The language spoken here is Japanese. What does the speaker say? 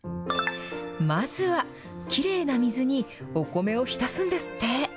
まずはきれいな水にお米を浸すんですって。